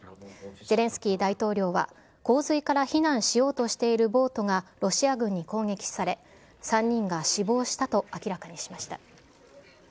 ゼレンスキー大統領は、洪水から避難しようとしているボートがロシア軍に攻撃され、３人が死亡したと明らかにしました。